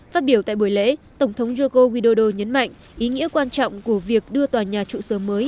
phát biểu tại buổi lễ tổng thống joko widodo nhấn mạnh ý nghĩa quan trọng của việc đưa tòa nhà trụ sở mới